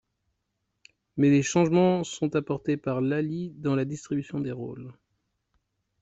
Mais des changements sont apportés par Lalli dans la distribution des rôles.